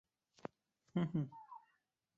赫希斯特是德国黑森州的一个市镇。